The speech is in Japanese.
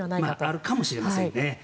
あるかもしれません。